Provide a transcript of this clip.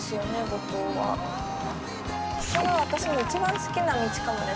ここが私の一番好きな道かもです